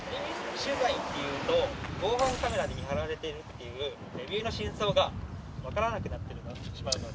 「防犯カメラで見張られている」っていうレビューの真相がわからなくなってしまうので。